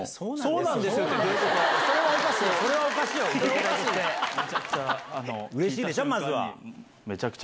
うれしいでしょ？